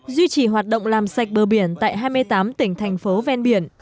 duy trì hoạt động làm sạch bờ biển tại hai mươi tám tỉnh thành phố ven biển